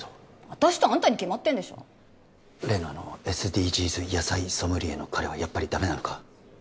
私とあんたに決まってんでしょ例のあのＳＤＧｓ野菜ソムリエの彼はやっぱりダメなのか？